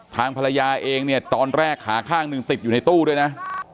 ทางภรรยาเองเนี่ยตอนแรกขาข้างหนึ่งติดอยู่ในตู้ด้วยนะ